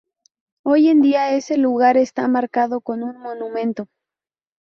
Hoy en día, ese lugar está marcado con un monumento.